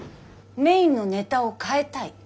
メインのネタを変えたい？